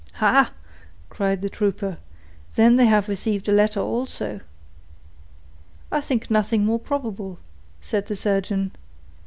"Ha!" cried the trooper; "then they have received a letter also." "I think nothing more probable," said the surgeon.